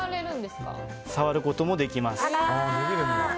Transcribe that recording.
触ることもできます。